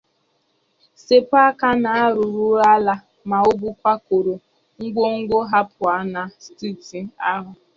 sepu aka n'arụrụala maọbụ kwakọrọ ngwongwo ha pụọ na steeti ahụ